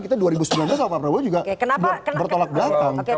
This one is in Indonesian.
kita dua ribu sembilan belas sama pak prabowo juga bertolak belakang